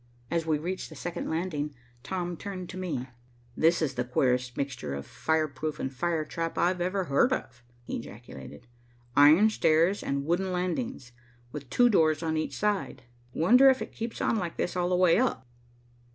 As we reached the second landing, Tom turned to me. "This is the queerest mixture of fireproof and firetrap I ever heard of," he ejaculated. "Iron stairs and wooden landings, with two doors on each side. Wonder if it keeps on like this all the way up?"